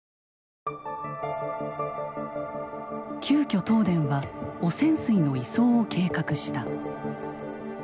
急きょ東電は汚染水の移送を計画した。